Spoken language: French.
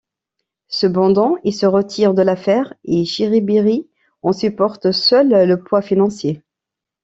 Cependant il se retire de l'affaire, et Chiribiri en supporte seul le poids financier.